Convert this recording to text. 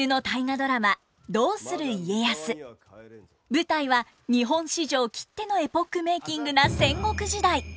舞台は日本史上きってのエポックメーキングな戦国時代！